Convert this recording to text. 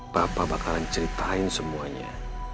papa bakalan ceritain semuanya